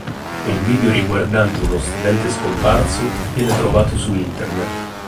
Un video riguardante uno studente scomparso viene trovato su Internet.